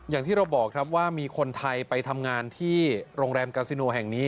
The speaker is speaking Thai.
อย่างที่เราบอกครับว่ามีคนไทยไปทำงานที่โรงแรมกาซิโนแห่งนี้